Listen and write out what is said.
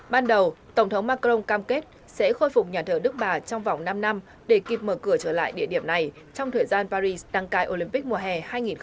ban đầu tổng thống macron cam kết sẽ khôi phục nhà thờ đức bà trong vòng năm năm để kịp mở cửa trở lại địa điểm này trong thời gian paris đăng cai olympic mùa hè hai nghìn hai mươi bốn